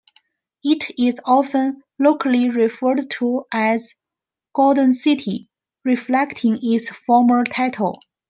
It is often locally referred to as "Garden City", reflecting its former title.